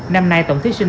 năm nay tổng thí sinh